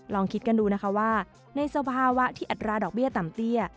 ลองคิดกันดูนะคะว่าในสภาวะที่อัตราดอกเบี้ยต่ำเตี้ย